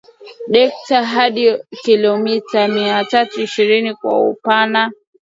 delta hadi kilomita miatatu ishirini kwa upana